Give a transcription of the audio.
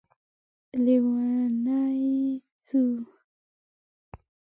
لیونی ځو